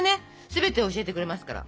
全てを教えてくれますから。